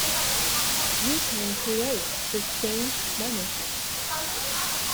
We can create sustained benefit.